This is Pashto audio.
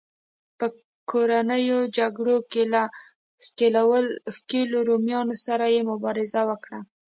په کورنیو جګړو کې له ښکېلو رومیانو سره یې مبارزه وکړه